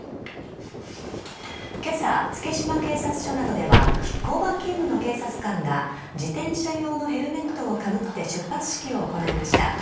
今朝、月島警察署などでは交番勤務の警察官が自転車用のヘルメットをかぶって出発式を行いました。